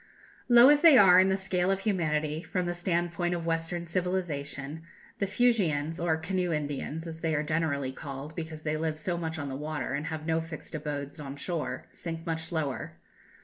Low as they are in the scale of humanity, from the standpoint of Western civilization, the Fuegians, or Canoe Indians, as they are generally called, because they live so much on the water, and have no fixed abodes on shore, sink much lower.